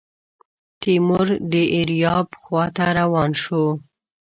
تیمور د ایریاب خواته روان شو.